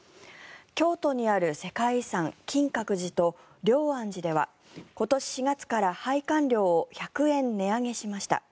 京都にある世界遺産金閣寺と龍安寺では今年４月から拝観料を１００円値上げしました。